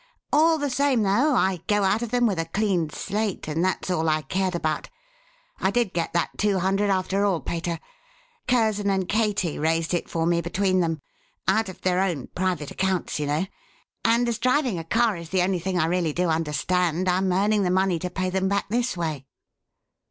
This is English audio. All the same, though, I go out of them with a clean slate, and that's all I cared about. I did get that two hundred after all, pater. Curzon and Katie raised it for me between them out of their own private accounts, you know and as driving a car is the only thing I really do understand, I'm earning the money to pay them back this way."